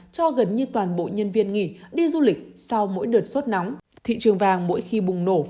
cho gần như toàn bộ nhân viên nghỉ đi du lịch sau mỗi đợt sốt nóng thị trường vàng mỗi khi bùng nổ